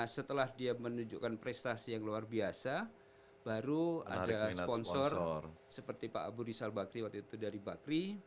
setelah dia menunjukkan prestasi yang luar biasa baru ada sponsor seperti pak abu rizal bakri waktu itu dari bakri